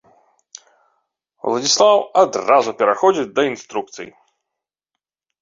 Уладзіслаў адразу пераходзіць да інструкцый.